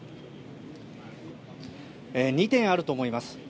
２点あると思います。